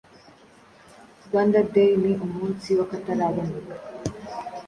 Rwanda Day ni umunsi wakataraboneka